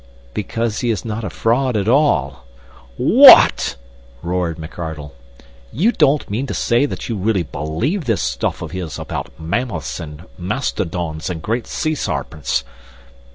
"Because he is not a fraud at all." "What!" roared McArdle. "You don't mean to say you really believe this stuff of his about mammoths and mastodons and great sea sairpents?"